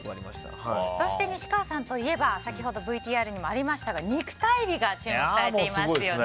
そして、西川さんといえば先ほどＶＴＲにもありましたが肉体美が注目されていますよね。